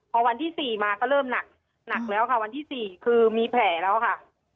พอวันที่๔มาก็เริ่มหนักแล้วค่ะวันที่๔คือมีแผลแล้วค่ะ